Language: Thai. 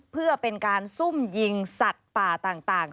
เพื่อเป็นการซุ่มยิงสัตว์ป่าต่าง